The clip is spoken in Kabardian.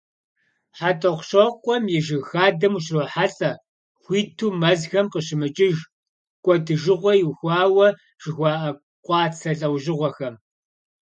ХьэтӀохъущокъуэм и жыг хадэм ущрохьэлӀэ хуиту мэзхэм къыщымыкӀыж, кӀуэдыжыгъуэ ихуауэ жыхуаӀэ къуацэ лӀэужьыгъуэхэм.